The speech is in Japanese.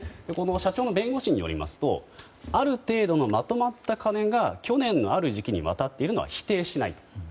社長の弁護士によりますとある程度のまとまった金が去年のある時期に渡っているのは否定しないと。